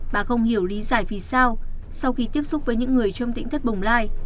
bà không hiểu lý giải vì sao sau khi tiếp xúc với những người trong tĩnh thất bồng lai